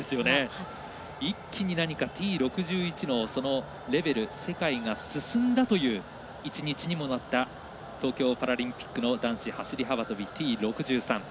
一気にＴ６１の世界が進んだという１日にもなった東京パラリンピックの男子走り幅跳びＴ６３。